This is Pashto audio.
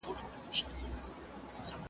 په دې ښارکي هر څه ورک دي نقابونه اورېدلي .